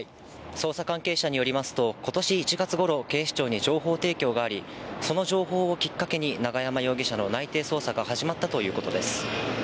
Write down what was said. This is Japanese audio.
捜査関係者によりますと、ことし１月ごろ、警視庁に情報提供があり、その情報をきっかけに永山容疑者の内偵捜査が始まったということです。